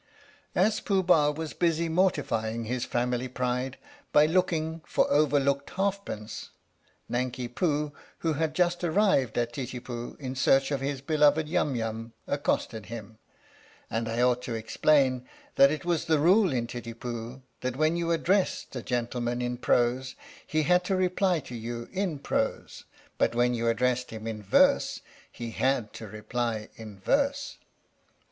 As Pooh Bah was busy mortifying his family pride by looking for overlooked halfpence, Nanki Poo, who had just arrived at Titipu in search of his be loved Yum Yum, accosted him, and I ought to ex plain that it was the rule in Titipu that when you addressed a gentleman in prose he had to reply to you in prose, but when you addressed him in verse he had to reply in verse.